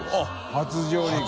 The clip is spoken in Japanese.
初上陸。